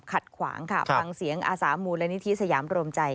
ขัดขวางฟังเสียงอาสามูลละนิทีสยามร่วมใจ